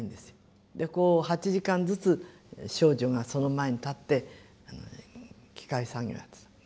でこう８時間ずつ少女がその前に立って機械作業をやってた。